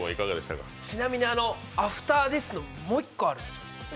ちなみに、アフターＤＥＡＴＨのもう１個あるんですよ。